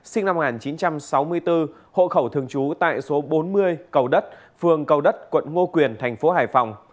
sinh năm một nghìn chín trăm sáu mươi bốn hộ khẩu thường trú tại số bốn mươi cầu đất phường cầu đất quận ngo quyền tp hải phòng